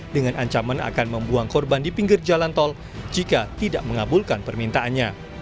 dengan ancaman akan membuang korban di pinggir jalan tol jika tidak mengabulkan permintaannya